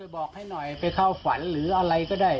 บอกให้หน่อยไปเข้าฝันหรืออะไรก็ได้